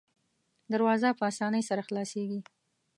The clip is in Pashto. دروازه په اسانۍ سره خلاصیږي.